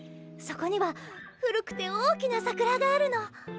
そこには古くて大きな桜があるの。